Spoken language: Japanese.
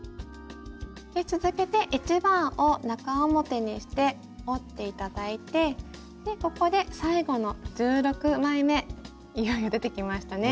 続けて１番を中表にして折って頂いてここで最後の１６枚めいよいよ出てきましたね。